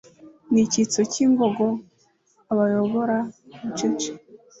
N'icyitso cy'ingogo abayobora bucece